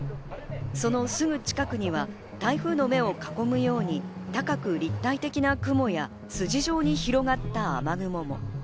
そのすぐ近くには台風の目を囲むように、高く立体的な雲や筋状に広がった雨雲も。